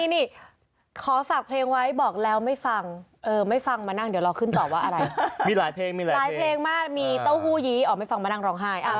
นี่ไงเขาทำหน้าแล้วก็ทำงานแล้วนะ